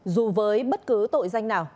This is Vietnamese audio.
dù với bất cứ tội danh nào